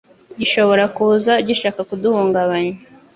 gishobora kuza gishaka kuduhungabanya.”